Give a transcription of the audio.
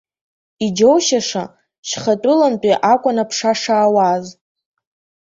Иџьоушьаша, шьхатәылантәи акәын аԥша шаауаз.